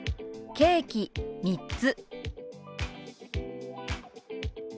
「ケーキ３つ」。